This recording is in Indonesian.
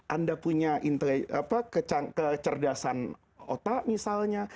anda punya kecerdasan otak misalnya